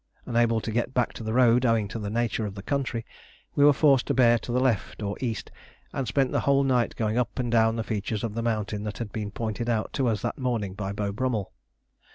Unable to get back to the road owing to the nature of the country, we were forced to bear to the left or east, and spent the whole night going up and down the features of the mountain that had been pointed out to us that morning by Beau Brummell.